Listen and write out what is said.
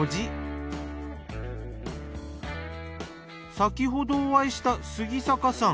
先ほどお会いした杉坂さん